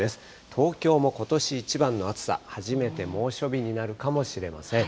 東京もことし一番の暑さ、初めて猛暑日になるかもしれません。